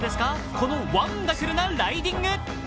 このワンダフルなライディング。